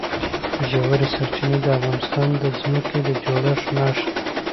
ژورې سرچینې د افغانستان د ځمکې د جوړښت نښه ده.